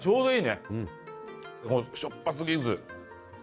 しょっぱすぎず。